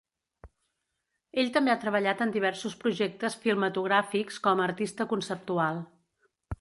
Ell també ha treballat en diversos projectes filmatogràfics com a artista conceptual.